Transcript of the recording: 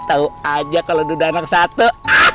tahu aja kalau udah anak satu